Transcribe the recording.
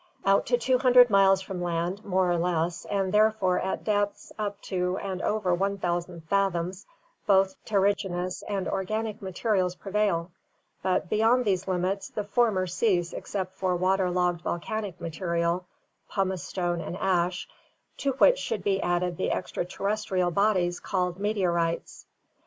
Out to CAVE AND DEEP SEA LIFE 383 200 miles from land, more or less, and therefore at depths up to and over 1000 fathoms, both terrigenous and organic materials prevail, but beyond these limits the former cease except for water logged volcanic material — pumice stone and ash — to which should be added the extra terrestrial bodies called meteorites.